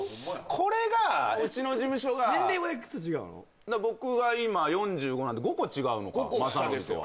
これがうちの事務所が僕が今４５なんで５個下ですよ